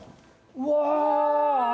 うわ！